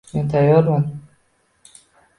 — Men tayyorman.